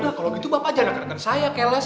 ya udah kalau gitu bapak jangan kenakan saya keles